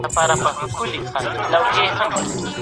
اسلام موږ ته د ورورولۍ څه ډول لارښوونه کوي؟